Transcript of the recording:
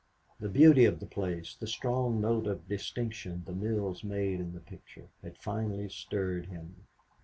The beauty of the place, the strong note of distinction the mills made in the picture, had finally stirred him.